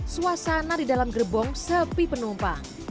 suasana di dalam gerbong sepi penumpang